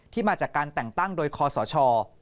มาจากการแต่งตั้งโดยคอสช